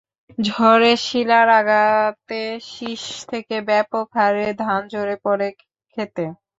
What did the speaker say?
ঝড়ে শিলার আঘাতে শিষ থেকে ব্যাপক হারে ধান ঝরে পড়ে খেতে।